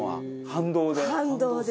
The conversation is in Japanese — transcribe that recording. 反動で？